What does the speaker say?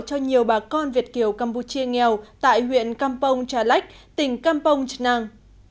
cho nhiều bà con việt kiểu campuchia nghèo tại huyện campong trà lách tỉnh campong trà năng